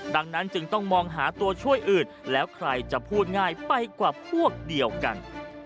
ดังนั้นจึงต้องมองหาตัวช่วยอื่นแล้วใครจะพูดง่ายไปกว่าพวกเดียวกัน